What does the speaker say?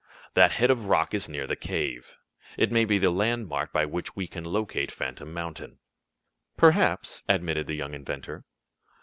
That head of rock is near the cave. It may be the landmark by which we can locate Phantom Mountain." "Perhaps," admitted the young inventor.